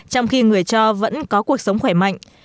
trong khi người cho vẫn có cuộc sống khỏe mạnh